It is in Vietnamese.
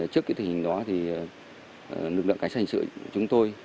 trước cái tình hình đó thì lực lượng cánh sát hình sự của chúng tôi